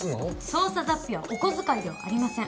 捜査雑費はお小遣いではありません。